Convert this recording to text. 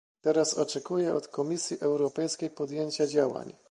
Teraz oczekuję od Komisji Europejskiej podjęcia działań